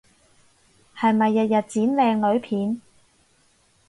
係咪日日剪靚女片？